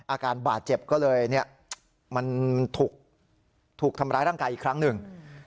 อาการบาดเจ็บก็เลยเนี่ยมันถูกทำร้ายร่างกายอีกครั้งหนึ่ง